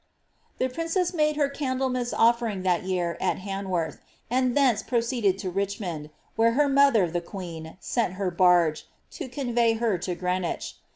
The princess made her Candlemas offering that year at Han worth, and thence proceeded to Richmond, where her mother, the queen, sent her barge, to convey her to Greenwich.